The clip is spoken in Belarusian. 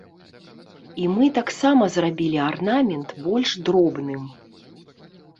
І мы таксама зрабілі арнамент больш дробным.